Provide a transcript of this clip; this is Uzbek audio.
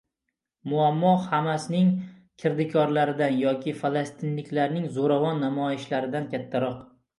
Muammo Hamasning kirdikorlaridan yoki falastinliklarning zo‘ravon namoyishlaridan kattaroq.